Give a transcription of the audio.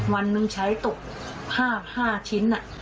วันหนึ่งใช้ตก๕ชิ้น